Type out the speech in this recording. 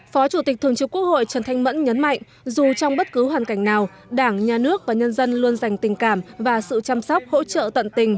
phó chủ tịch thường trực quốc hội trần thanh mẫn nhấn mạnh dù trong bất cứ hoàn cảnh nào đảng nhà nước và nhân dân luôn dành tình cảm và sự chăm sóc hỗ trợ tận tình